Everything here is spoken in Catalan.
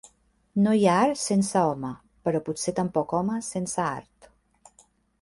No hi ha art sense home, però potser tampoc home sense art.